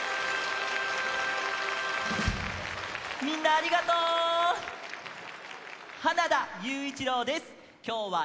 みんなありがとう！